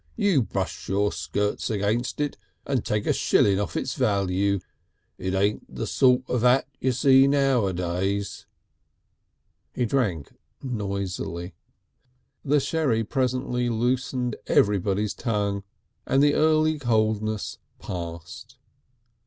You brush your skirts against it and you take a shillin' off its value. It ain't the sort of 'at you see nowadays." He drank noisily. The sherry presently loosened everybody's tongue, and the early coldness passed.